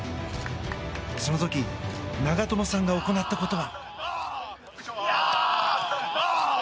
その時、長友さんが行ったことは。